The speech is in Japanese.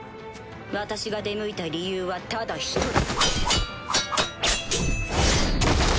私が出向いた理由はただ１つ。